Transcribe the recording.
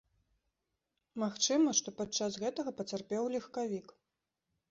Магчыма, што падчас гэтага пацярпеў легкавік.